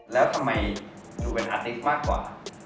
แล้วทำไมดูเป็นอาติ๊กมากกว่า